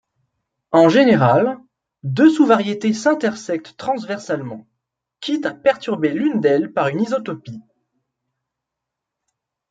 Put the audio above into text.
En général, deux sous-variétés s'intersectent transversalement, quitte à perturber l'une d'elles par une isotopie.